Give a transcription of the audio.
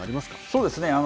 そうですね。